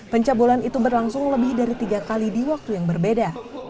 pencabulan itu berlangsung lebih dari tiga kali di waktu yang berbeda